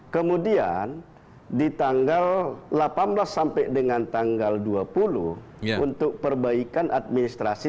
kemudian di tanggal delapan belas sampai dengan tanggal dua puluh untuk perbaikan administrasi